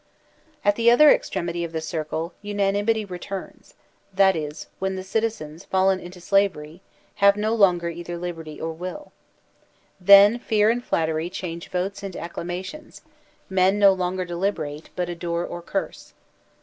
At the other extremity of the circle unanimity re turns; that is, when the citizens, fallen into slavery, have no longer either liberty or wilL Then fear and VOTING 95 flattery change votes into acclamations; men no longer deliberate, but adore or curse.